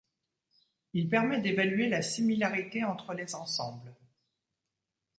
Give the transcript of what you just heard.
Il permet d'évaluer la similarité entre les ensembles.